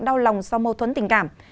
đau lòng do mâu thuẫn tình cảm